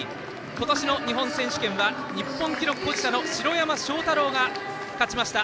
今年の日本選手権は日本記録保持者の城山正太郎が勝ちました。